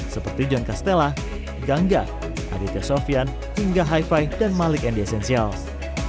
seperti john castella gangga aditya sofian hingga hi fi dan malik and the essentials